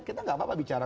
kita tidak apa apa bicara